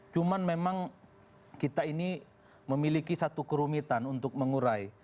cuman memang kita ini memiliki satu kerumitan untuk mengurai